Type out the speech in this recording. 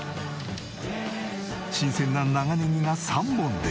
新鮮な長ねぎが３本で。